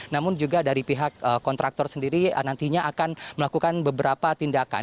namun juga dari pihak kontraktor sendiri nantinya akan melakukan beberapa tindakan